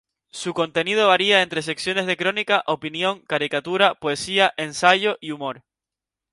Su contenido varía entre secciones de crónica, opinión, caricatura, poesía, ensayo y humor.